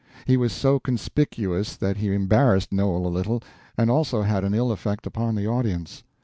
He was so conspicuous that he embarrassed Noel a little, and also had an ill effect upon the audience.